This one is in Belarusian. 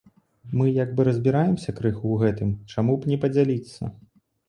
Мы як бы разбіраемся крыху ў гэтым, чаму б не падзяліцца.